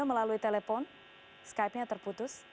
melalui telepon skypenya terputus